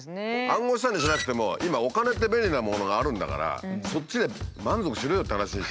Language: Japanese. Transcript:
暗号資産にしなくても今お金っていう便利なものがあるんだからそっちで満足しろよって話思わない？